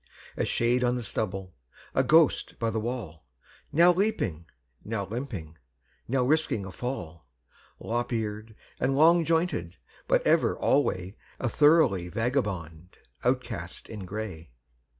A shade on the stubble, a ghost by the wall, Now leaping, now limping, now risking a fall, Lop eared and large jointed, but ever alway A thoroughly vagabond outcast in gray.